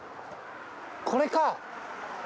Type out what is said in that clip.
これか！